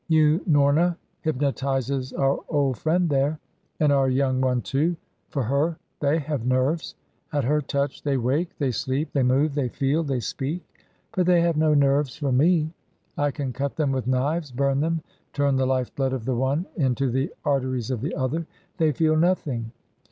Unorna hypnotises our old friend there and our young one, too. For her, they have nerves. At her touch they wake, they sleep, they move, they feel, they speak. But they have no nerves for me. I can cut them with knives, burn them, turn the life blood of the one into the arteries of the other they feel nothing.